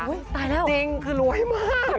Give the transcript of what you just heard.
จริงคือรวยมาก